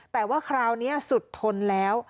แต่ว่าคราวนี้สุดทนแล้ว